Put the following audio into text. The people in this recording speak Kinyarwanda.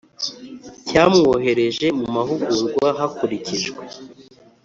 Cyamwohereje mu mahugurwa hakurikijwe